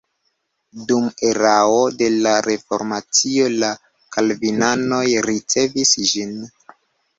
Dum erao de la reformacio la kalvinanoj ricevis ĝin.